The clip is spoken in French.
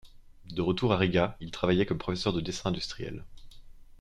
De retour à Riga, il travaillait comme professeur de dessin industriel.